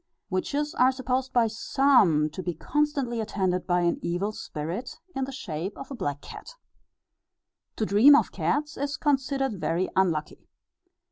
Witches are supposed by some to be constantly attended by an evil spirit, in the shape of a black cat. To dream of cats is considered very unlucky.